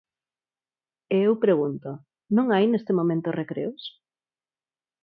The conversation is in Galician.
E eu pregunto: ¿non hai neste momento recreos?